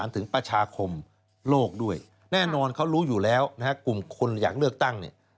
ถึงประชาคมโลกด้วยแน่นอนเขารู้อยู่แล้วนะฮะกลุ่มคนอยากเลือกตั้งเนี่ย